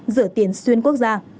giữa tiền xuyên quốc gia